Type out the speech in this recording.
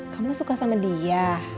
kamu suka sama dia